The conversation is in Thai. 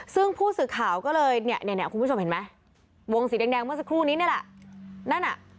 ซึ่งผู้สื่อข่าวก็เลยเนี่ยคุณผู้ชมเห็นไหมวงสีแดงเมื่อสักครู่นี้นี่แหละนั่นอ่ะ